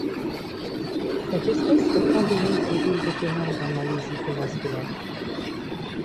Cette espèce est endémique de l'île de Penang en Malaisie péninsulaire.